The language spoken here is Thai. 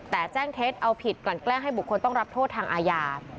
แต่แจ้งเท็จเอาผิดกลั่นแกล้งให้บุคคลต้องรับโทษทางอาญา